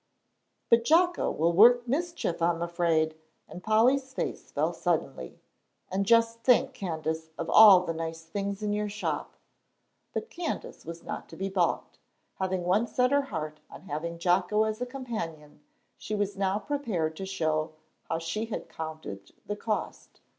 "But Jocko will work mischief, I'm afraid," and Polly's face fell suddenly, "and just think, Candace, of all the nice things in your shop." But Candace was not to be balked. Having once set her heart on having Jocko as a companion, she was now prepared to show how she had counted the cost.